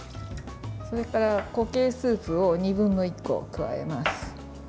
それから固形スープを２分の１個、加えます。